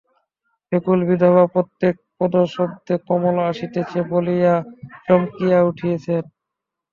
ব্যাকুল বিধবা প্রত্যেক পদশব্দে কমল আসিতেছে বলিয়া চমকিয়া উঠিতেছেন।